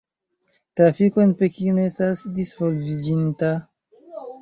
Trafiko en Pekino estas disvolviĝinta.